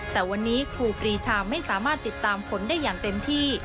แต่วันนี้ครูปรีชาไม่สามารถติดตามผลได้อย่างเต็มที่